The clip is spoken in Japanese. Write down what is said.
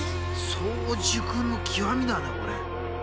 早熟の極みだねこれ。